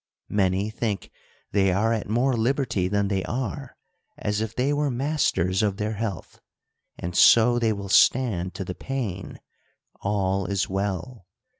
Many think they are at more liberty than they are, as if they were masters of their health; and, so they will stand to the pain, all is well.